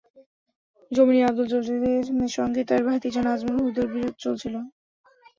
জমি নিয়ে আবদুল জলিলের সঙ্গে তাঁর ভাতিজা নাজমুল হুদার বিরোধ চলছিল।